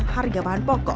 harga bahan pokok